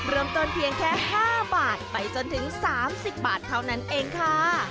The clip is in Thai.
เริ่มต้นเพียงแค่๕บาทไปจนถึง๓๐บาทเท่านั้นเองค่ะ